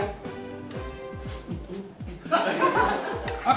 terima kasih pak